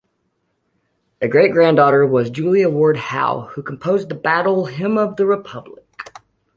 A great-granddaughter was Julia Ward Howe who composed the "Battle Hymn of the Republic".